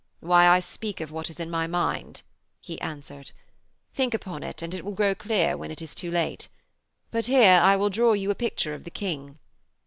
'Why, I speak of what is in my mind,' he answered. 'Think upon it, and it will grow clear when it is too late. But here I will draw you a picture of the King.'